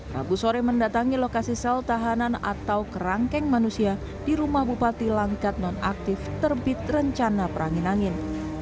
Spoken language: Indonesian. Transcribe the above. rabu sore mendatangi lokasi sel tahanan atau kerangkeng manusia di rumah bupati langkat nonaktif terbit rencana perangin angin